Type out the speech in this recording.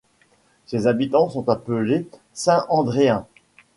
Ses habitants sont appelés Saint-Andréens.